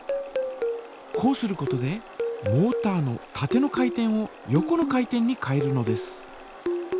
こうすることでモータのたての回転を横の回転に変えるのです。